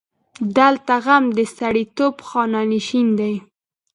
دلته غم د سړیتوب خانه نشین دی.